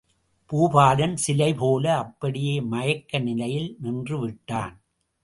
பூபாலன் சிலைபோல அப்படியே மயக்க நிலையில் நின்று விட்டான்.